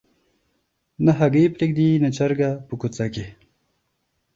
نه هګۍ پرېږدي نه چرګه په کوڅه کي